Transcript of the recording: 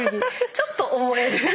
ちょっと思える。